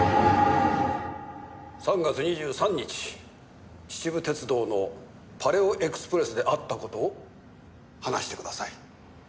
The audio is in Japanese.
３月２３日秩父鉄道のパレオエクスプレスであった事を話してください。